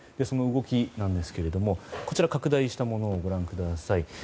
その動きなんですけれども拡大したものをご覧ください。